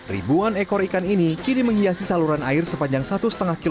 ribuan ekor ikan ini kini menghiasi saluran air sepanjang satu lima km di kompleks perumahan ini